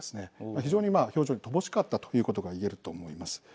非常に表情が乏しかったということが言えると思います。